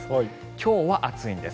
今日は暑いんです。